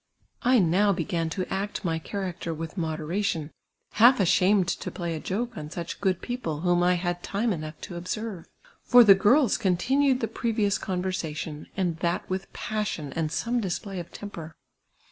I now began to act my character with moderation, half ashamed to ])lay a joke on such good people, whom I had time enough to observe : for the girls continued the jjrevious con versation, and that with passion and some dis})lay of tem})er.